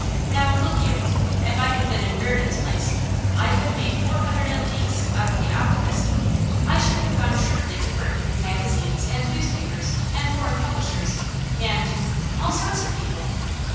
Now, look you: if I had been in Reardon's place, I'd have made four hundred at least out of "The Optimist"; I should have gone shrewdly to work with magazines and newspapers and foreign publishers, and all sorts of people.